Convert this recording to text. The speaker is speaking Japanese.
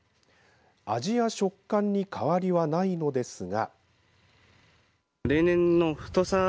味や食感に変わりはないのですが。